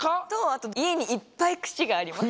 あといえにいっぱいクシがあります。